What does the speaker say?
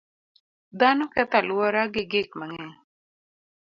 Dhano ketho alwora gi gik mang'eny.